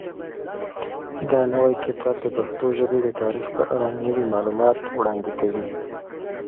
دا نوی کتاب د پښتو ژبې د تاریخ په اړه نوي معلومات وړاندې کوي.